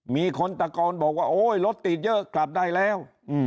มีคนตะโกนบอกว่าโอ๊ยรถติดเยอะกลับได้แล้ว